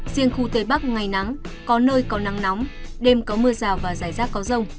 riêng khu tây bắc ngày nắng có nơi có nắng nóng đêm có mưa rào và rải rác có rông